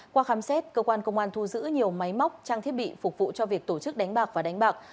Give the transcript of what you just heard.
qua khám xét cơ quan công an thu giữ nhiều máy móc trang thiết bị phục vụ cho việc tổ chức đánh bạc và đánh bạc